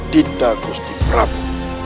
dita gusti prabu